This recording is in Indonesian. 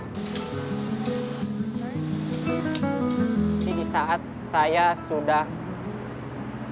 jadi di saat saya sudah berkumpul